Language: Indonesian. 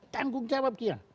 tanggung jawab dia